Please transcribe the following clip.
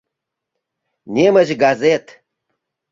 Немыч газет.